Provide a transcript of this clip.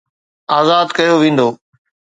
آزاد ڪيو ويندو